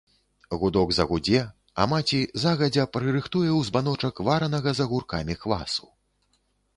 Гудок загудзе, а маці загадзя прырыхтуе ў збаночак варанага з агуркамі квасу.